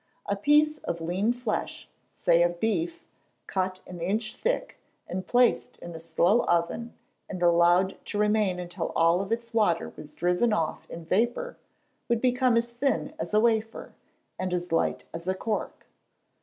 A piece of lean flesh say of beef cut an inch thick, and placed in a slow oven, and allowed to remain until all its water was driven off in vapour, would become as thin as a wafer, and as light as a cork.